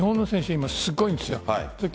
今、すごいんですよ。